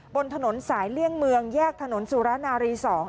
บนถนนสายเลี่ยงเมืองแยกถนนสุรนารี๒